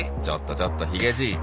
ちょっとちょっとヒゲじ